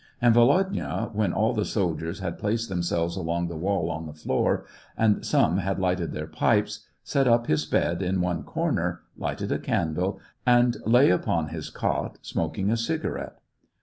And Volodya, when all the soldiers had placed themselves along the wall on the floor, and some had lighted their pipes, set up his bed in one cor ner, lighted a candle, and lay upon his cot, smok ing a cigarette.